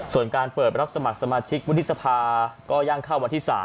ส่วนการเปิดประทับสมัครสมาชิกวิทยุทธิภาพก็ยังเข้าวันที่๓